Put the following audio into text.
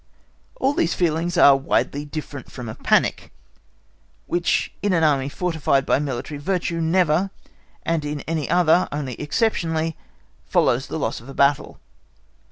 All these feelings are widely different from a panic, which in an army fortified by military virtue never, and in any other, only exceptionally, follows the loss of a battle.